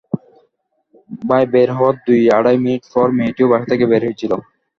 ভাই বের হওয়ার দুই আড়াই মিনিট পর মেয়েটিও বাসা থেকে বের হয়েছিল।